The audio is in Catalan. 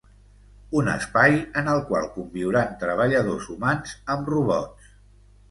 Un espai en el qual conviuran treballadors humans amb robots.